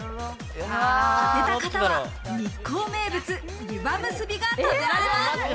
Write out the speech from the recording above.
当てた方は日光名物・ゆばむすびが食べられます。